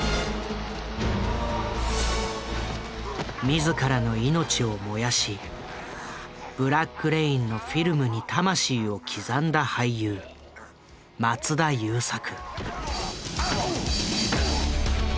自らの命を燃やし「ブラック・レイン」のフィルムに魂を刻んだ俳優松田優作。